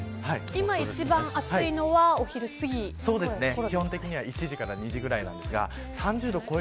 今一番熱いのはお昼すぎですか。